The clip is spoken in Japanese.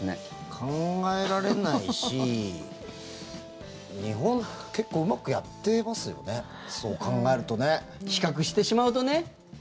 考えられないし日本は結構うまくやってますよね比較してしまうとね。